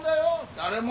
誰も。